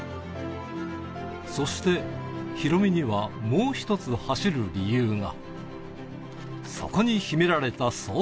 そして、ヒロミにはもう一つ走る理由が。